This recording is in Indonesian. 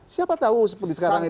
siapa tahu seperti sekarang ini